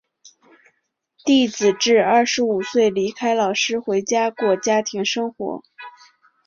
弟子至二十五岁离开老师回家过家庭生活。